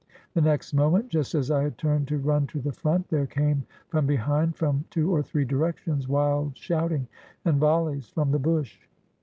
The next moment, just as I had turned to run to the front, there came from behind from two or three directions wild shouting and volleys from the bush.